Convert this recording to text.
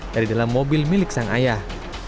dari dalam mobil milik sang ayah